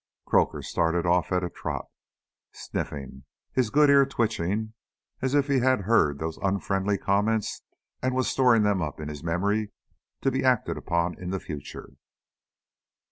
Croaker started off at a trot, sniffling, his good ear twitching as if he had heard those unfriendly comments and was storing them up in his memory, to be acted upon in the future.